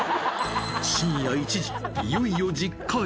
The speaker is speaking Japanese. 深夜１時、いよいよ実家へ。